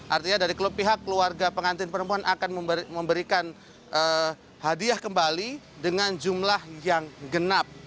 artinya dari pihak keluarga pengantin perempuan akan memberikan hadiah kembali dengan jumlah yang genap